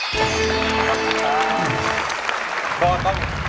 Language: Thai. ขอบคุณครับ